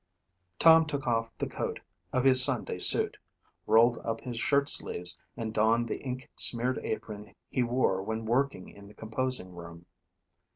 Tom took off the coat of his Sunday suit, rolled up his shirt sleeves and donned the ink smeared apron he wore when working in the composing room.